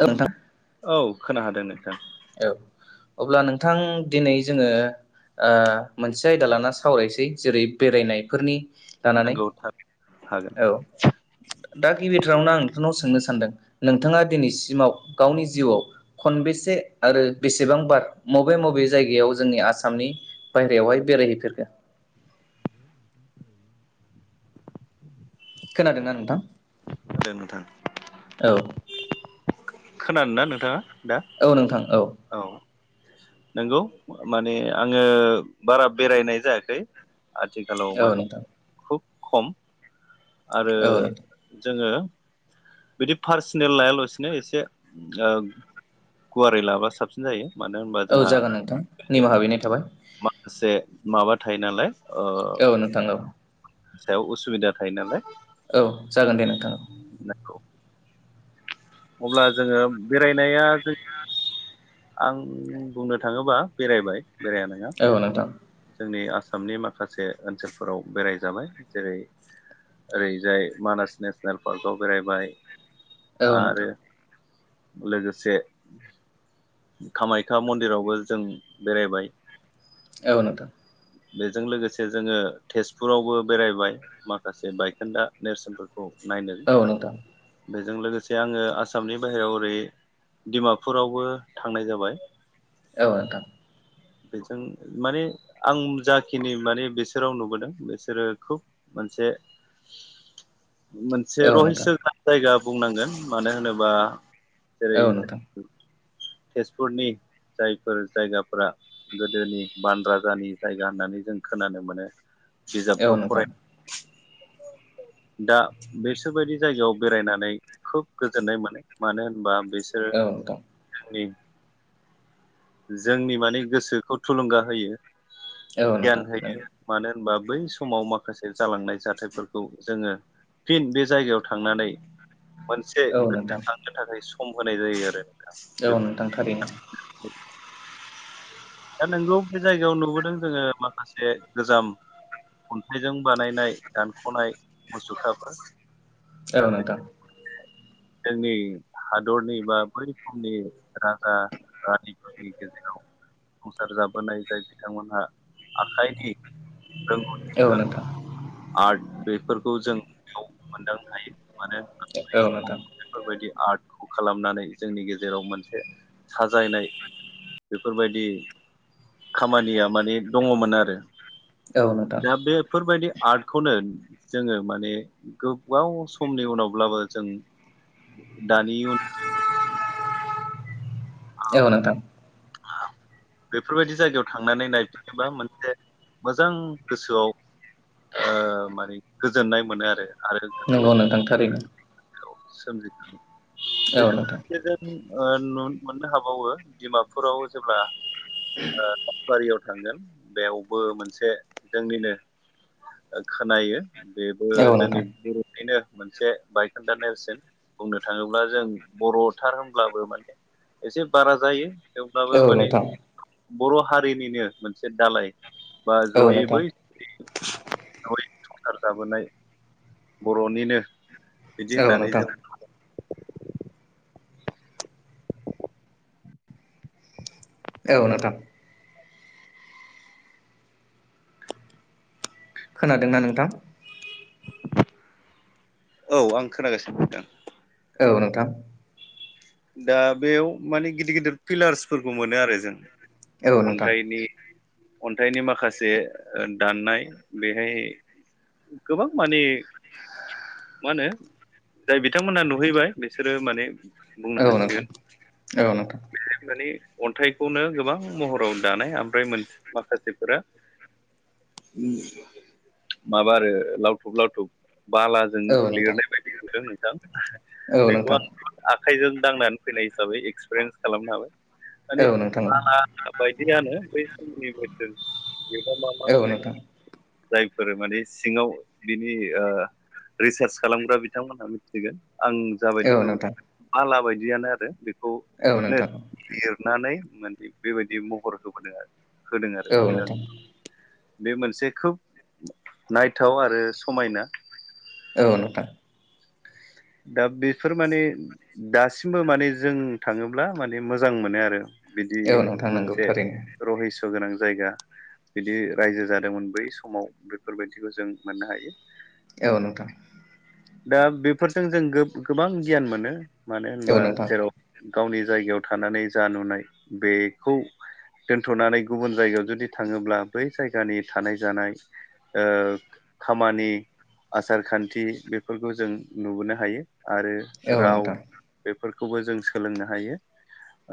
औ औ खोनाहादों नोंथां औ अब्ला नोंथां दिनै जोङो ओ मोनसे आयदा लाना सावरायसै जेरै बेरायनायफोरनि लानानै नोंगौ नोंथां हागोन औ दा गिबिथारनावनो आं नोंथांनाव सोंनो सानदों नोंथाङा दिनैसि सिमाव गावनि जिउआव खनबेसे आरो बेसेबांबार मबे मबे जायगायाव जोंनि आसामनि बायहेरायावहाय बेरायहैफेरखो खोनादोंना नोंथां दे नोंथां औ खोनानो ना नोंथाङा दा औ नोंथां औ नंगौ माने आङो बारा बेरायनाय जायाखै आथिखालाव औ नोंथां माने खुब खम आरो औ नोंथां जोङो बिदि पार्सनेल लायालासिनो एसे गुवारै लाबा साबसिन जायो मानो होनबा औ जोंहा जागोन नोंथां निमाहा बिनाय थाबाय माखासे माबा थायो नालाय ओ औ नोंथां औ सायाव उसुबिदा थायो नालाय औ जागोन दे नोंथां नंगौ। अब्ला जोङो बेरायनाया जों आं बुंनो थाङोबा बेरायबाय बेराया नङा औ नोंथां जोंनि आसाम आसामनि माखासे ओनसोलफोराव बेरायजाबाय जेरै ओरैजाय मानास नेसनेल पार्कआव बेरायबाय औ आरो नोंथां लोगोसे कामाख्या मन्दिरावबो जों बेरायबाय औ नोंथां बेजों लोगोसे जोङो तेजपुरावबो बेरायबाय माखासे बायखोन्दा नेरसोन खौ औ नोंथां नायनो जों लोगोसे आङो आसामनि बाहेरायाव ओरै डिमापुरावबो थांनाय जाबाय औ नोंथां बेजों माने आं जाखिनि माने बिसोराव नुबोदों बिसोरो खोब मोनसे, मोनसे औ नोंथां रहिसो [unintelligible] जायगा, बुंनांगोन, मानो होनोबा औ जेरै नोंथां तेजपुरनि जायफोर जायगाफोरा गोदोनि बान राजानि जायगा होननानै जों खोनानो मोनो, औ बिजाबफ्राव नोंथां फराय दा बेसोरबायदि जायगायाव बेरायनानै खोब गोजोननाय मोनो मानो होनबा, बिसोरो औ नोंथां जोंनि माने गोसोखौ थुलुंगा होयो, औ नोंथां गियान होयो नंगौ मानो होनबा बै समाव माखासे जालांनाय जाथायफोरखौ जोङो फिन बे, जायगायाव थांनानै मोनसे औ नोंथां गोथां गोथाङै स खम होनाय जायो आरो औ बेफोर नोंथां थारैनो दा नोंगौ बे जायगायाव नुबोदों जोङो माखासे गोजाम अन्थाइजों बानायनाय दानख'नाय मुसुखाफोर, दा औ बे नोंथां जोंनि हादरनि बा बै रोखोमनि राजा रानिफोरनि गेजेराव जा सुंसार जाबोनाय जाय बिथांमोनहा आखाइनि, रोंगौथि नोंथां आर्ट बेफोरखौ जों बेयाव मोनदांनो हायो, माने बै औ समाव नोंथां बेफोरबायदि आर्टखौ खालामनानै जोंनि गेजेराव मोनसे साजायनाय बेफोरबायदि, खामानिया माने दङमोन आरो औ नोंथां दा बेफोरबायदि आर्टखौनो जोङो माने गोबाव समनि उनावब्लाबो जों दानि उनाव, औ नोंथां बेफोरबायदि जायगायाव थांनानै नायफिनोबा मोनसे मोजां गोसोआव ओ माने गोजोननाय मोनो आरो आरो नंगौ नोंथां थारैनो, सोमजिनाय, [unintelligible] औ नोंथां ओ न'न मोननो हाबावो डिमापुराव जेब्ला, बारियाव थांगोन बेयावबो मोनसे जोंनिनो खोनायो। बेबो औ जोंनि नोंथां बर'नि बेनो मोनसे बायखोन्दा नेरसोन बुंनो थाङोब्ला जों बर'थार होनब्लाबो माने एसे बारा जायो। थेवब्लाबो औ नोंथां औ माने नोंथां बर' हारिनिनो मोनसे दालाय। बा ज'यै बै समनि संसार जाबोनाय बर'निनो बिदि औ होननानै नोंथां जों औ नथां। खोनादोंना नोंथां? औ आं खोनागासिनो नोंथां। औ नोंथां। दा बेयाव माने गिदिर गिदिर पिलार्सफोरखौ मोनो आरो जों। औ नोंथां अन्थाइनि अन्थाइनि माखासे दाननाय बेहाय गोबां माने मा होनो जाय बिथांमोनहा नुहैबाय बिसोरो माने बुंनो औ नोंथां औ हासिगोन। नोंथां औ नोंथां माने अन्थाइखौनो गोबां महराव दानाय ओमफ्राय माखासेफोरा माबा आरो लावथुब लावथुब बालाजों औ नोंथां लिरनाय बायदि नुदों नोंथां औ बेखौ नोंथां आं आखाइजों दांनानै फैनाय हिसाबै एक्सपिरियेन्स खालामनो हाबाय। औ नोंथां [unintelligible] बायदियानो बै समनि बोथोरबा मा मा औ नोंथां जायफोर माने सिङाव बिनि ओ रिसार्च खालामग्रा बिथांमोनहा मिथिगोन आं जाबायदि औ नुबोदों बाला बायदियानो आरो बेखौ नो नोंथां लिरनानै माने बेबायदि महर होबोदों आरो होदों आरो औ नोंथां फिलारखौ बे मोनसे खोब नायथाव आरो समायना। औ नोंथां दा बेफोर माने दासिमबो माने जों थाङोब्ला माने मोजां मोनो आरो। बिदि औ नोंथां नंगौ मोनसे थारैनो रहिस गोनां जायगा बिदि रायजो जादोंमोन बै समाव बेफोरबायदिखौ जों मोननो हायो औ नोंथां दा बे बेफोरजों जों गोबां गियान मोनो मानो औ होनबा नोंथां जेराव गावनि जायगायाव थानानै जा नुनाय बेखौ दोनथ'नानै गुबुन जायगायाव जुदि थाङोब्ला बै जायगानि थानाय जानाय ओ खामानि आसार खान्थि बेफोरखौ जों नुबोनो हायो। आरो औ राव नोंथां बेफोरखौबो जों सोलोंनो हायो।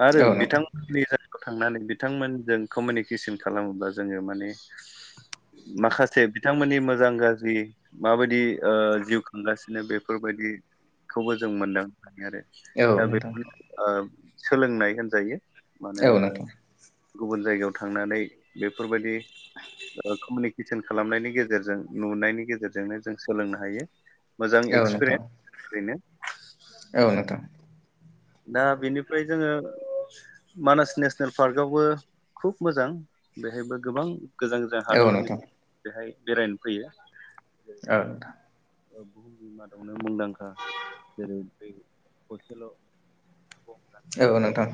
आरो औ नोंथां बिथांमोननि थांनानै बिथांमोनजों कमिउनिकेसन खालामोबा जोङो माने माखासे बिथांमोननि मोजां गाज्रि माबायदि ओ जिउ खांगासिनो बे फोरबायदिखौबो जों मोनदांनो हायो आरो। औ दा नोंथां बेफोरनि ओ सोलोंनाय होनजायो। मानो औ होनबा नोंथां गुबुन जायगायाव थांनानै बेफोरबायदि कमिउनिकेसन खालामनायनि गेजेरजों नुनायनि गेजेरजोंनो जों सोलोंनो हायो। मोजां एक औ नोंथां एक्सपिरियेन्स ओरैनो। औ नोंथां दा बेनिफ्राय जोङो मानास नेसनेल पार्कआवबो खुब मोजां बेहायबो गोबां गोजान गोजान औ हादरनि नोंथां बेहाय बेरायनो फैयो। जेरै ओ बुहुमनि मादावनो मुंदांखा जेरै दै थसेल' गं गान्दा औ नोंथां औ नोंथां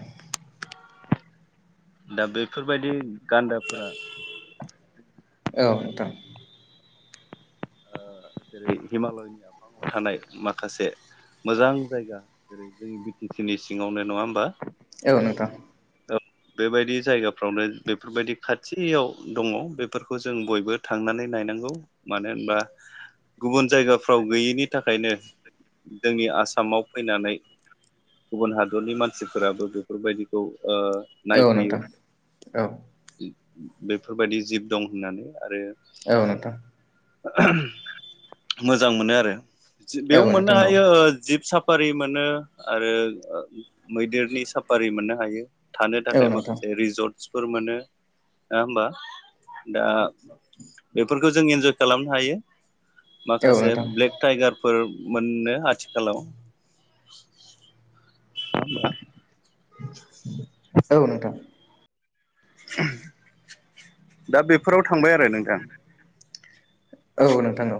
दा बेफोर बायदि गान्दाफोरा औ नोंथां ओ जेरै हिमालयनि आफाङाव थानाय माखासे मोजां जायगा जेरै जोंनि बि टि सि नि सिङावनो नङा होमबा? औ नोंथां बेबायदि जायगाफ्रावनो बेफोरबायदि खाथियाव दङ। बेफोरखौ जों बयबो थांनानै नायनांगौ मानो होनबा गुबुन जायगाफ्राव गैयैनि थाखायनो जोंनि आसामाव फैनानै गुबुन हादरनि मानसिफोराबो बेफोर बायदिखौ ओ औ नोंथां औ नोंथां औ नोंथां औ नोंथां नायफैयो। औ नोंथां औ बेफोरबायदि जिब दं होननानै आरो मोजां मोनो आरो जो बेयाव मोननो हायो ओ जिब साफारि मोनो आरो ओ मैदेरनि साफारि मोननो हायो। था खाय माखासे रिजर्ट सिफोर मोनो आया होमबा दा बेफोरखौ जों इन्जय खालामनो हायो। माखासे ब्लेक टाइगार फोर मोननो आथिखालाव ना होमबा नोंथां दा बेफोराव थांबाय आरो नोंथां। औ नोंथां औ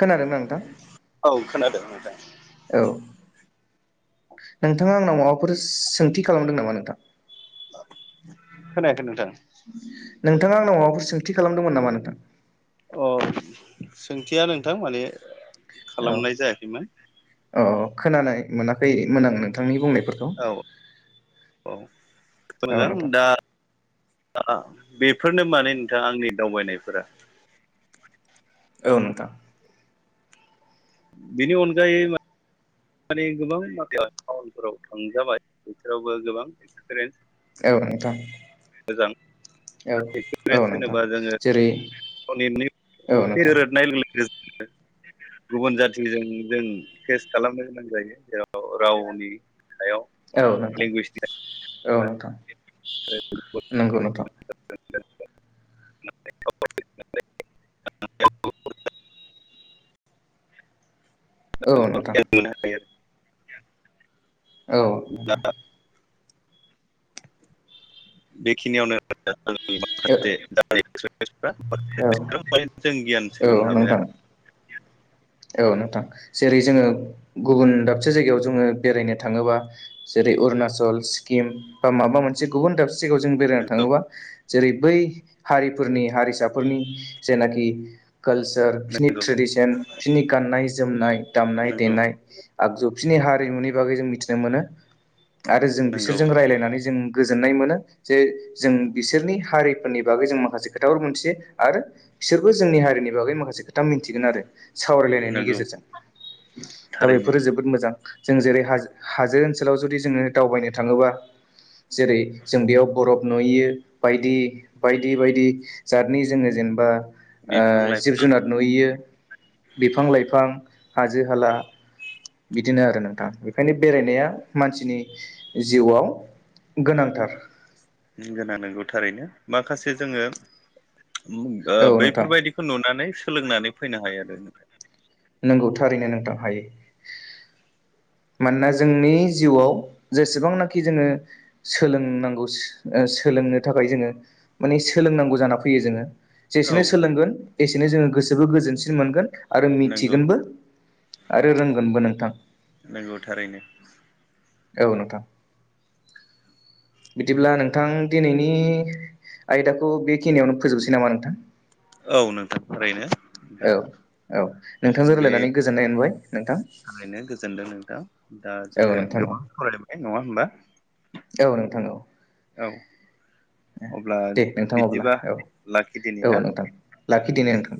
खोनादों ना नोंथां? औ खोनादों नोंथां। औ नोंथाङा आंनाव माबाफोर सोंथि खालामदों नामा नोंथां? खोनायाखै नोंथां। नोंथाङा आंनाव माबाफोर सोंथि खालामदोंमोन नामा नोंथां? अ' सोंथिया नोंथां माने औ औ खालामनाय जायाखैमोन औ खोनानाय मोनाखैमोन आं नोंथांनि बुंनाय औ औ औ मोजां नोंथां दा ओ बेफोरनो माने नोंथाङा आंनि दावबायनायफोरा। औ नोंथां। बेनि अनगायै मा माने गोबां माख [unintelligible] टाउनफोराव थांजाबाय बिफोरावबो गोबां एक्सपिरेन्स औ नोंथां। मोजां औ [unintelligible] औ नोंथां होनोबा जोङो जेरै अ' नेटनि औ एसे नोंथां दोरोदनाय लोगो लोगोनो जों गुबुन जाथिजों जों फेस खालामनो गोनां जायो जेराव रावनि सायाव औ नोंथां लेंगुवेजनि औ नोंथां नोंगौ नोंथां। [unintelligible] औ नोंथां। औ नोंथां। बेखिनियावनो [unintelligible] [unintelligible] माखासे [unintelligible] [unintelligible] औ [unintelligible] जों गियान सोलोंनो औ हाबाय नोंथां आरो औ नोंथां जेरै जोङो गुबुन दाबसे जायगायाव जोङो बेरायनो थाङोबा जेरै अरुणाचल सिक्किम बा माबा मोनसे गुबुन दाब से जायगायाव जों बेरायनो नंगौ थाङोबा जेरै बै हारिफोरनि हारिसा फोरनि जेनाखि कालचार बिसोरनि ट्रेडिसन बिसोरनि गाननाय जो जोमनाय दामनाय नंगौ नंगौ देनाय आगजु बिसनि हारिमुनि बागै जों मिथिनो मोनो आरो जों नंगौ बिसोरजों रायलायनानै जों गोजोननाय मोनो जे जों बिसोरनि हारिफोरनि बागै जों माखासे खोथाफोर मोनथियो आरो बिसोरबो जोंनि हारिनि बागै माखासे खो था मिथिगोन आरो सावरायलायनायनि नंगौ गेजेरजों दा थारैनो बेफोरो जोबोद मोजां जों जेरै हाजो हाजो ओनसोलाव जुदि जोङो दावबायनो थाङोबा जेरै जों बेयाव बरफ नुयो बायदि बायदि बायदि जादनि जोङो जेनेबा ओ बिफां लाइफां जिब जुनार नुहैयो बिफां लाइफां हाजो हाला बिदिनो आरो नोंथां बेखायनो बेरायनाया मानसिनि जिउआव गोनांथार ओम गोनां नोंगौ थारैनो माखासे जोङो ओम ओ औ नोंथां बैफोरबायदिखौ नुनानै सोलोंनानै फैनो हायो आरो जोङो नोंगौ थारैनो नोंथां हायो मानोना जोंनि जिउआव जेसेबांनाखि जोङो सोलोंनांगौ ओ सोलोंनो थाखाय जोङो माने सोलोंनांगौ जाना फैयो जोङो औ जेसेनो सोलोंगोन एसेनो जोङो गोसोबो गोजोनसिन मोनगोन आरो नंगौ मिथिगोनबो आरो रोंगोनबो नोंथां नोंगौ थारैनो औ नोंथां बिदिब्ला नोंथां दिनैनि आयदाखौ बेखिनियावनो फोजोबनोसै नामा नोंथां औ नोंथां ओरैनो औ औ नोंथांजों रायलायनानै गोजोननाय मोनबाय नोंथां थारैनो गोजोनदों नोंथां दा औ जोङो नोंथां औ गोबां खावलायबाय नङा होमबा औ नोंथां औ औ अब्ला दे नोंथां अब्ला बिदिबा औ लाखिदिनि औ ना नोंथां लाखिदिनि दे नोंथां